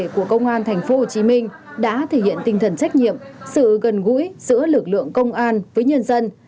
công an thành phố hồ chí minh đã thể hiện tinh thần trách nhiệm sự gần gũi giữa lực lượng công an với nhân dân